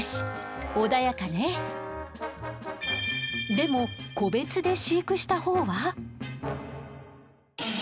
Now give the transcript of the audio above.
でも個別で飼育したほうは。